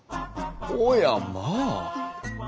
おやまあ。